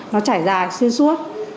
nó trải dài xuyên suốt